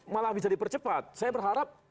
malah bisa dipercepat saya berharap